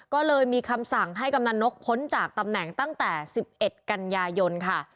ก็เลยมีคำสั่งให้กำนันนกพ้นจากตำแหน่งตั้งแต่๑๑กันยายนค่ะ